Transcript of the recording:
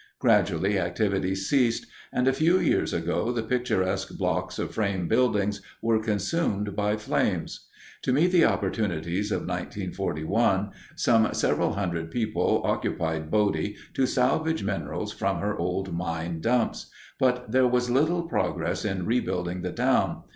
Gradually activities ceased, and a few years ago the picturesque blocks of frame buildings were consumed by flames. To meet the opportunities of 1941 some several hundred people occupied Bodie to salvage minerals from her old mine dumps. But there was little progress in rebuilding the town.